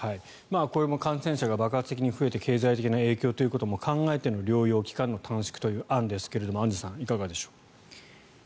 これも感染者が爆発的に増えて経済的な影響ということも考えての療養期間の短縮という案ですがアンジュさん、いかがでしょう。